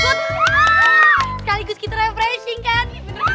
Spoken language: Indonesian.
sekaligus kita refreshing kan